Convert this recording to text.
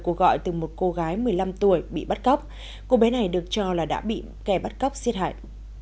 cuộc gọi từ một cô gái một mươi năm tuổi bị bắt cóc cô bé này được cho là đã bị kẻ bắt cóc giết hại